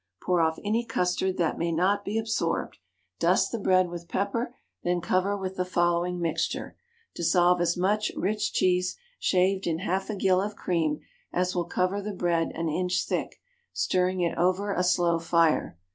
Pour off any custard that may not be absorbed; dust the bread with pepper; then cover with the following mixture: dissolve as much rich cheese shaved in half a gill of cream as will cover the bread an inch thick, stirring it over a slow fire.